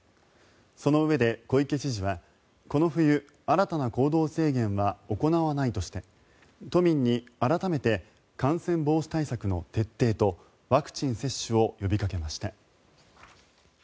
そのうえで小池知事はこの冬、新たな行動制限は行わないとして都民に、改めて感染防止対策の徹底とワクチン接種を呼びかけました。